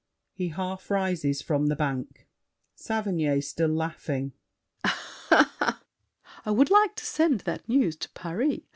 [He half rises from the bank. SAVERNY (still laughing). I would like to send That news to Paris.